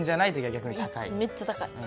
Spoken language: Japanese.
めっちゃ高い。